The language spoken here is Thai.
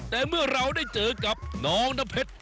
แต่เมื่อเราได้เจอกับน้องนเผ็ด